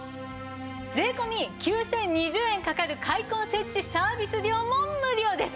税込９０２０円かかる開梱設置サービス料も無料です！